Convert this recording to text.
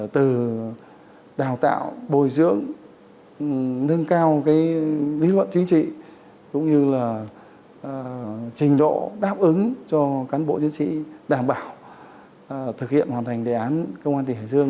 từ đào tạo bồi dưỡng nâng cao lý luận chính trị cũng như là trình độ đáp ứng cho cán bộ chiến sĩ đảm bảo thực hiện hoàn thành đề án công an tỉnh hải dương